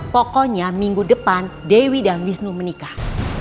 pokoknya minggu depan dewi dan wisnu menikah